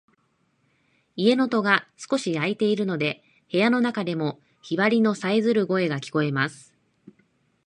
家の戸が少し開いているので、部屋の中でもヒバリのさえずる声が聞こえます。